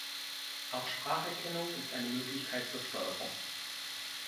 Auch Spracherkennung ist eine Möglichkeit zur Steuerung.